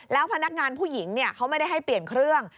แล้วพนักงานผู้หญิงเขาไม่ได้ให้เปลี่ยนเครื่อง